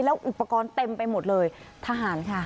อุปกรณ์เต็มไปหมดเลยทหารค่ะ